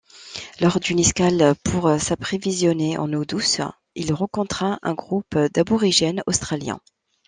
Lors d'une escale pour s'approvisionner en eau douce, il rencontra un groupe d'aborigènes australiens.